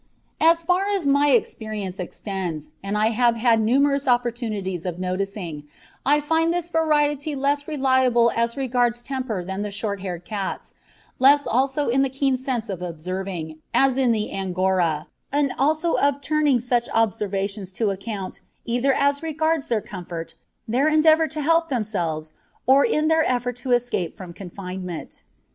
"] As far as my experience extends, and I have had numerous opportunities of noticing, I find this variety less reliable as regards temper than the short haired cats, less also in the keen sense of observing, as in the Angora, and also of turning such observations to account, either as regards their comfort, their endeavour to help themselves, or in their efforts to escape from confinement.